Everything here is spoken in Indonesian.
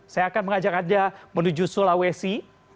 saya akan mengajak anda menuju sulawesi